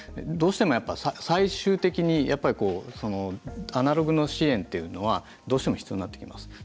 どうしても最終的にアナログの支援というのはどうしても必要になってきます。